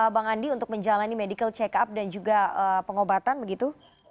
bang andi untuk menjalani medical check up dan juga pengobatan begitu